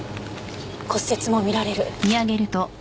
骨折も見られる。